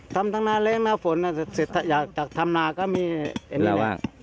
ทำทั้งน้าแรงทั้งน้าฝนแต่ถ้าทำนาก็มีอันนี้เลย